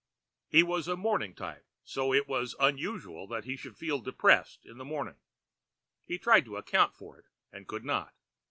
He was a morning type, so it was unusual that he should feel depressed in the morning. He tried to account for it, and could not.